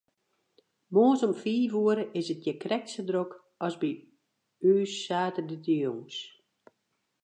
Moarns om fiif oere is it hjir krekt sa drok as by ús saterdeitejûns.